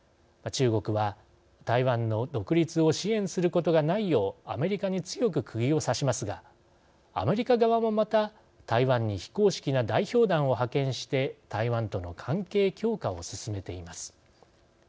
中国は台湾の独立を支援することがないようアメリカに強くくぎを刺しますがアメリカ側も、また台湾に非公式な代表団を派遣して台湾との関係強化を進めています。